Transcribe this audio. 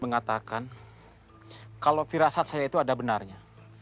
mengatakan kalau firasat saya itu ada benarnya